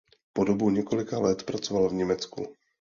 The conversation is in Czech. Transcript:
Po dobu několika let pracoval v Německu.